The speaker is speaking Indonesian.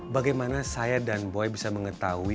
bagaimana saya dan boy bisa mengetahui